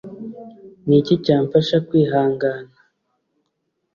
Ni iki cyamfasha kwihangana?